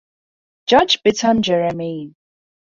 George Bitton Jermyn.